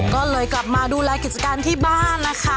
ก็เลยกลับมาดูแลกิจการที่บ้านนะคะ